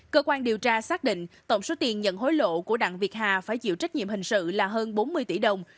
cơ quan điều tra xác định tổng số tiền nhận hối lộ của đặng việt hà phải chịu trách nhiệm hình sự là hơn bốn mươi tỷ đồng